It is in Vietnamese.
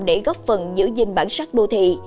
để góp phần giữ gìn bản sắc đô thị